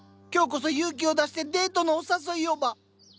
今日こそ勇気を出してデートのお誘いをば！